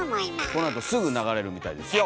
このあとすぐ流れるみたいですよ。